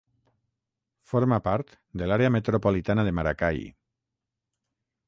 Forma part de l'àrea metropolitana de Maracay.